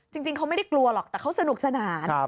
จริงเขาไม่ได้กลัวหรอกแต่เขาสนุกสนาน